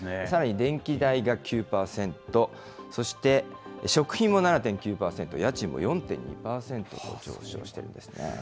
さらに電気代が９％、そして食品も７．９％、家賃も４．２％上昇してるんですね。